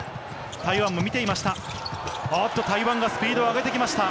台湾も見ていました。